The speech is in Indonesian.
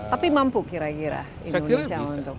tapi mampu kira kira indonesia untuk